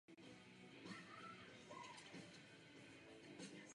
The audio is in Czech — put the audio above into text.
Některé kapely se obecně vyhýbají explicitní zmínce o Bohu nebo Ježíši.